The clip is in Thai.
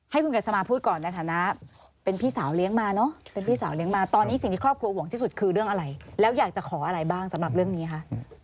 ให้คุณกัสมาพูดก่อนในฐานะเป็นพี่สาวเลี้ยงมาเนอะเป็นพี่สาวเลี้ยงมาตอนนี้สิ่งที่ครอบครัวห่วงที่สุดคือเรื่องอะไรแล้วอยากจะขออะไรบ้างสำหรับเรื่องนี้คะ